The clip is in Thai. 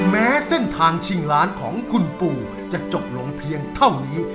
แม้เส้นทางชิงล้านของคุณปู่จะจบลงเพียงเท่านี้